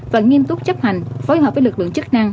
và nghiêm túc chấp hành phối hợp với lực lượng chức năng